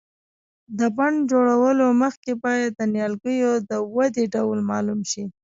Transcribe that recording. د بڼ جوړولو مخکې باید د نیالګیو د ودې ډول معلوم شي.